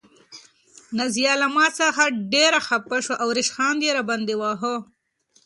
نازیه له ما څخه ډېره خفه شوه او ریشخند یې راباندې واهه.